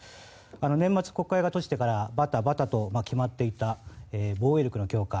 年末国会が閉じてからバタバタと決まっていた防衛力の強化